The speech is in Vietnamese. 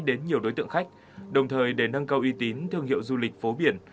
đến nhiều đối tượng khách đồng thời để nâng cao uy tín thương hiệu du lịch phố biển